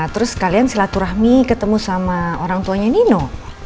terus kalian silaturahmi ketemu sama orang tuanya nino